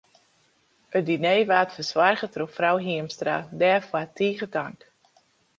It diner waard fersoarge troch frou Hiemstra, dêrfoar tige tank.